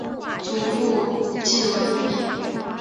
祖父靳文昺。